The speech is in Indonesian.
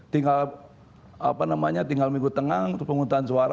tinggal apa namanya tinggal minggu tengah untuk penghutang suara